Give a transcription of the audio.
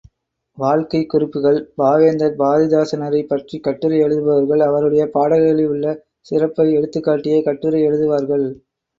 வாழ்க்கைக் குறிப்புகள் பாவேந்தர் பாரதிதாசனாரைப் பற்றிக் கட்டுரை எழுதுபவர்கள், அவருடைய பாடல்களில் உள்ள சிறப்பை எடுத்துக்காட்டியே கட்டுரை எழுதுவார்கள்.